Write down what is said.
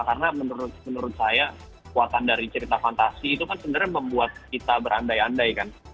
karena menurut saya kuatan dari cerita fantasi itu kan sebenernya membuat kita berandai andai kan